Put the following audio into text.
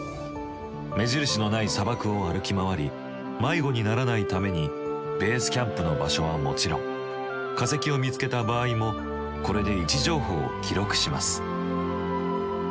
目印のない砂漠を歩き回り迷子にならないためにベースキャンプの場所はもちろん化石を見つけた場合もこれで位置情報を記録します。